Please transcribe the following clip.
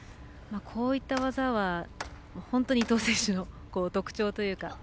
こういった技は、本当に伊藤選手の特徴というか。